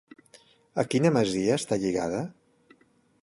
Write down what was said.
A quina masia està lligada?